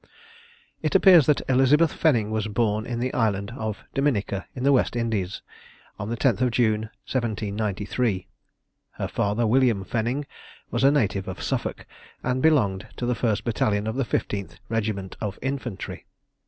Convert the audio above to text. It appears that Elizabeth Fenning was born in the island of Dominica, in the West Indies, on the 10th of June, 1793. Her father, William Fenning, was a native of Suffolk, and belonged to the first battalion of the 15th regiment of infantry.